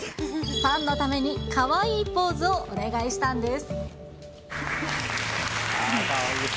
ファンのために、かわいいポーズをお願いしたんです。